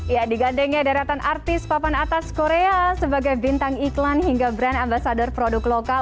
ya digandengnya deretan artis papan atas korea sebagai bintang iklan hingga brand ambasador produk lokal